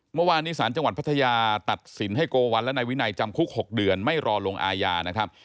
เมื่อวานนี้ศาลจังหวัดพัทยาตัดสินให้โกวัลและนายวินัยจำคุก๖เดือนไม่รอลงอาญานะครับ